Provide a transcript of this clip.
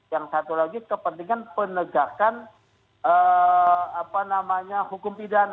yang satu lagi kepentingan penegakan hukum pidana